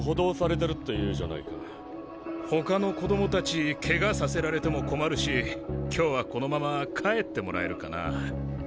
ほかの子供たちケガさせられても困るし今日はこのまま帰ってもらえるかな？